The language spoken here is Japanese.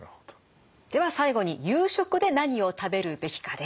では最後に夕食で何を食べるべきかです。